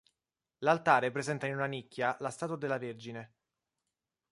L'altare presenta in una nicchia la statua della Vergine.